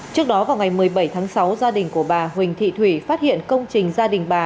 trước đó vào ngày một mươi bảy tháng sáu gia đình của bà huỳnh thị thủy phát hiện công trình gia đình bà